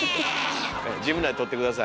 自分らで取って下さい。